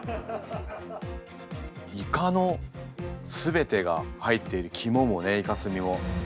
イカの全てが入っているキモもねイカスミも。